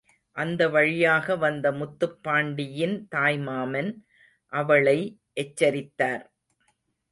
அந்த வழியாக வந்த முத்துப்பாண்டியின் தாய்மாமன் அவளை எச்சரித்தார்.